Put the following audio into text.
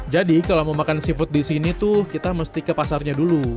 jadi kalau mau makan seafood di sini tuh kita mesti ke pasarnya dulu